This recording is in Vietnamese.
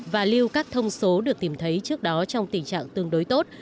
và lưu các thông số được tìm thấy trước đó trong tình trạng tương đối tốt